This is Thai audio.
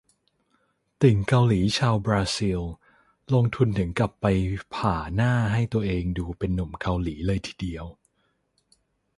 ติ่งเกาหลีชาวบราซิล ลงทุนถึงกับไปผ่าหน้าให้ตัวเองดูเป็นหนุ่มเกาหลีเลยทีเดียว